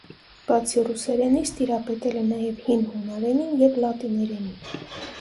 Բացի ռուսերենից տիրապետել է նաև հին հունարենին և լատիներենին։